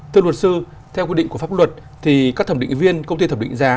thưa luật sư theo quy định của pháp luật thì các thẩm định viên công ty thẩm định giá